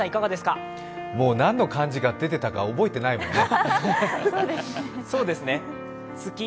もう何の漢字が出てたか覚えてないもんね。